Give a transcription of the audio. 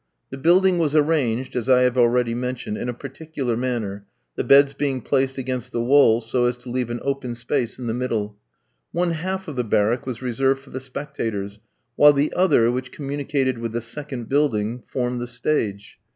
The building was arranged, as I have already mentioned, in a particular manner, the beds being placed against the wall, so as to leave an open space in the middle. One half of the barrack was reserved for the spectators, while the other, which communicated with the second building, formed the stage.